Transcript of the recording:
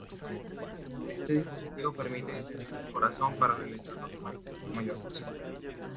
Este dispositivo permite detener el corazón para realizar los puentes con mayor facilidad.